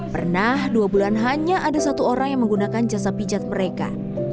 pernah dua bulan hanya ada satu orang yang menggunakan jasa pijat mereka